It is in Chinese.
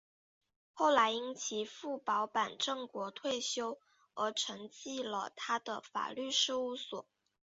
后来因其父保坂正国退休而承继了他的法律事务所。